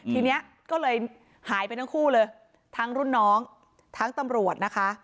ทีนี้ก็เลยหายไปทั้งคู่เลยทั้งรุ่นน้องทั้งตำรวจนะคะ